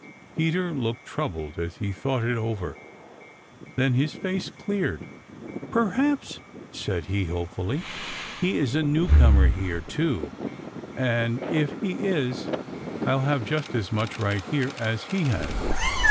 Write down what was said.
Peter looked troubled as he thought it over. Then his face cleared. "Perhaps," said he hopefully, "he is a new comer here, too, and if he is, I'll have just as much right here as he has.